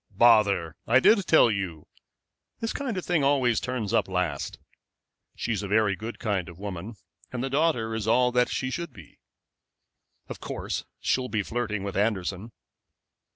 "Bother! I did tell you. This kind of thing always turns up at last. She's a very good kind of a woman, and the daughter is all that she ought to be." "Of course she'll be flirting with Anderson."